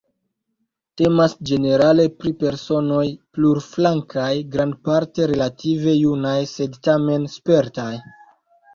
Temas ĝenerale pri personoj plurflankaj, grandparte relative junaj sed tamen spertaj.